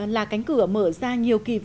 là cánh cửa mở ra nhiều kỳ văn